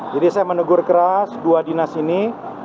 jadi saya menegur keras dua dinas ini